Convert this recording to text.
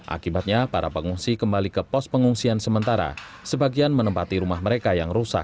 akibatnya para pengungsi kembali ke pos pengungsian sementara sebagian menempati rumah mereka yang rusak